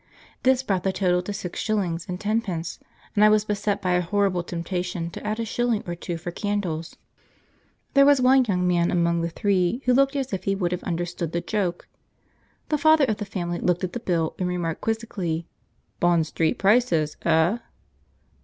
This brought the total to six shillings and tenpence, and I was beset by a horrible temptation to add a shilling or two for candles; there was one young man among the three who looked as if he would have understood the joke. The father of the family looked at the bill, and remarked quizzically, "Bond Street prices, eh?"